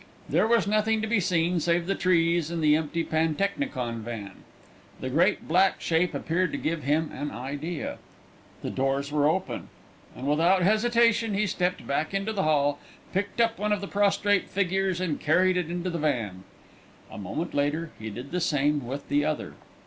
There was nothing to be seen save the trees and the empty pantechnicon van. The great black shape appeared to give him an idea. The doors were open, and without hesitation he stepped back into the hall, picked up one of the prostrate figures, and carried it into the van; a moment later he did the same with the other.